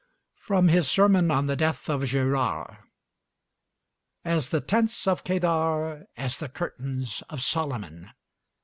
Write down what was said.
FROM HIS SERMON ON THE DEATH OF GERARD "As the tents of Kedar, as the curtains of Solomon."